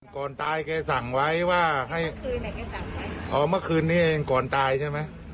ก่อนตายแกสั่งไว้ว่าให้คืนอ๋อเมื่อคืนนี้เองก่อนตายใช่ไหม